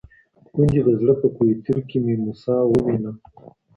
ګوندي د زړه په کوه طور کي مي موسی ووینم